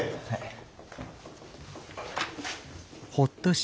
はい。